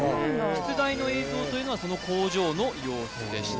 出題の映像というのはその工場の様子でした・